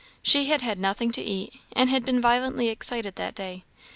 She had had nothing to eat, and had been violently excited that day.